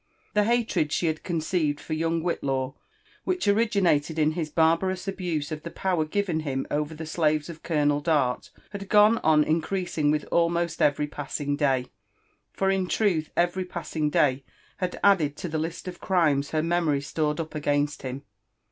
The hatred she had conceived for young Whitlaw, which originated in his barbarous abuse of the power given him over the slaves of Co lonel Dart, had gone on increasing with almost every passing day; for in truth every passing day had added to the list of crimes her memory 28 SM UFE AND ADVBNTURB8 OF •lored Dp againit bim.